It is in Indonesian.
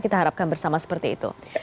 kita harapkan bersama seperti itu